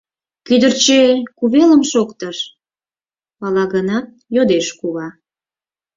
— Кӱдырчӧ кувелым шоктыш? — пала гынат, йодеш кува.